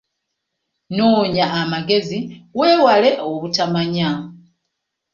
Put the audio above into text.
Noonya amagezi weewale obutamanya.